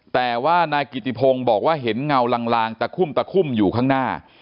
แต่ว่านายกิติพงศ์บอกว่าเห็นเงาลางตะคุ่มตะคุ่มอยู่ข้างหน้า